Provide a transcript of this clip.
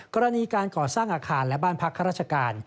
กรณีการก่อสร้างอาคารและบ้านพักข้าราชการ